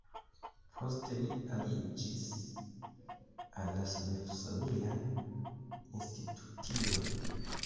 Poste li aliĝis al la "Smithsonian Institution".